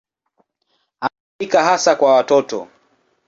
Ameandika hasa kwa watoto.